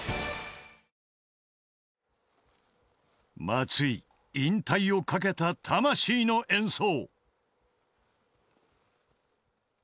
［松井引退をかけた魂の演奏］